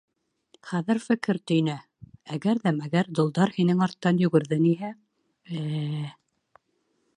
Хәҙер фекер төйнә: әгәр ҙә мәгәр долдар һинең арттан йүгерҙениһә... э-э-э...